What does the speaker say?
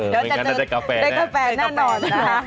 เดี๋ยวจะเจอได้กาแฟแน่นอนนะคะ